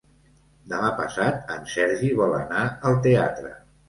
Demà passat en Sergi vol anar al teatre.